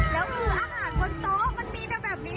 แล้วคืออาหารบนโต๊ะมันมีแต่แบบนี้